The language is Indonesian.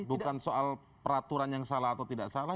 bukan soal peraturan yang salah atau tidak salah